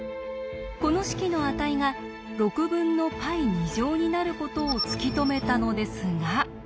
この式の値が６分のπ２乗になることを突き止めたのですが。